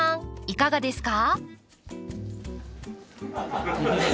いかがですか？